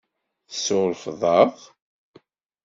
Tsurfeḍ-aɣ?